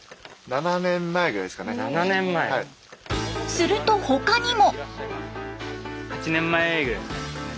すると他にも。